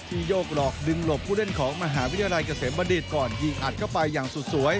โยกหลอกดึงหลบผู้เล่นของมหาวิทยาลัยเกษมบัณฑิตก่อนยิงอัดเข้าไปอย่างสุดสวย